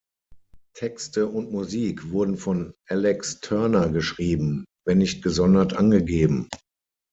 Texte und Musik wurden von Alex Turner geschrieben, wenn nicht gesondert angegeben.